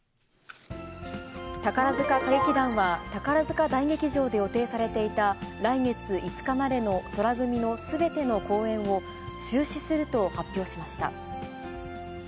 宝塚歌劇団は、宝塚大劇場で予定されていた来月５日までの宙組のすべての公演を、中止すると発表しました。